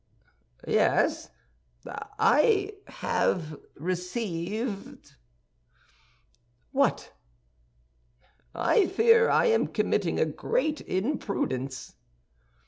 "Yes, I have received—" "What?" "I fear I am committing a great imprudence."